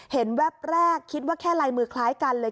แวบแรกคิดว่าแค่ลายมือคล้ายกันเลย